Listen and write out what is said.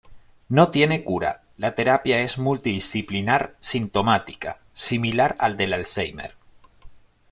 No tiene cura, la terapia es multidisciplinar sintomática, similar al del Alzheimer.